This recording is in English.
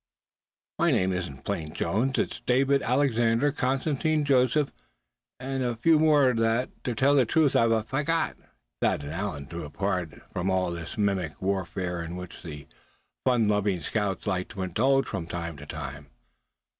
"My name isn't Plain Jones, it's David Alexander Constantine Josephus, and a few more that, to tell the honest truth; I've forgot," the other went on. Thad and Allan drew apart from all this mimic warfare, in which the fun loving scouts liked to indulge from time to time.